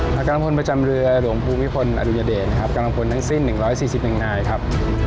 กำลังพลประจำเรือหลวงภูมิพลอดุญเดชนะครับกำลังพลทั้งสิ้น๑๔๑นายครับ